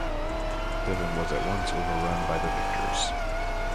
Devon was at once overrun by the victors.